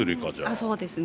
そうですね。